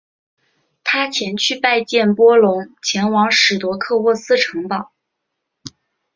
他前去拜见波隆前往史铎克渥斯城堡。